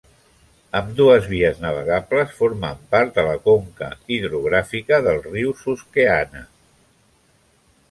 Ambdues vies navegables formen part de la conca hidrogràfica del riu Susquehanna.